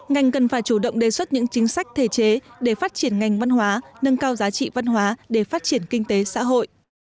ngành cần phải chủ động đề xuất những chính sách thể chế để phát triển ngành văn hóa nâng cao giá trị văn hóa để phát triển kinh tế xã hội